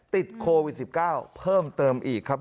ติดโควิดสิบเก้าเพิ่มเติมอีกครับ